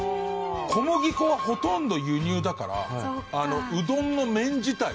小麦粉はほとんど輸入だからうどんの麺自体はアメリカだと。